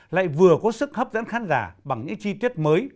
lại vừa có sức hấp dẫn khán giả bằng những chi tiết mới